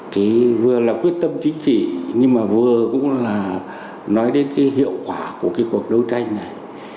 thì vừa là quyết tâm chính trị nhưng mà vừa cũng là nói đến cái hiệu quả của cái cuộc đấu tranh này